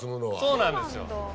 そうなんですよ。